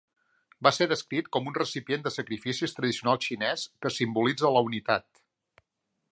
Va ser descrit com un recipient de sacrificis tradicional xinès que simbolitza la unitat.